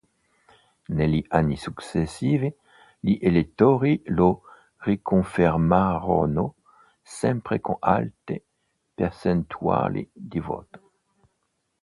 Negli anni successivi gli elettori lo riconfermarono sempre con alte percentuali di voto.